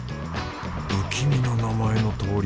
不気味な名前の通り。